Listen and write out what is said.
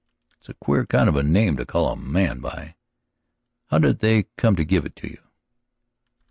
"It's a queer kind of a name to call a man by. How did they come to give it to you?"